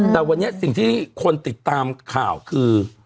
แต่วันนี้สิ่งที่คนติดตามข่าวคือ